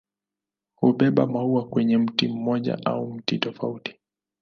Hubeba maua kwenye mti mmoja au miti tofauti.